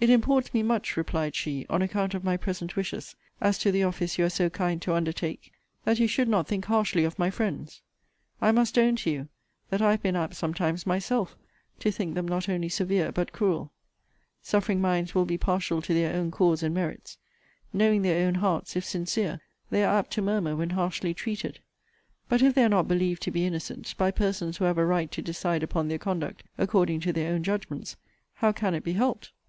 It imports me much, replied she, on account of my present wishes, as to the office you are so kind to undertake, that you should not think harshly of my friends. I must own to you, that I have been apt sometimes myself to think them not only severe but cruel. Suffering minds will be partial to their own cause and merits. Knowing their own hearts, if sincere, they are apt to murmur when harshly treated: But, if they are not believed to be innocent, by persons who have a right to decide upon their conduct according to their own judgments, how can it be helped?